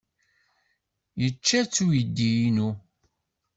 Yečča-tt uydi-inu.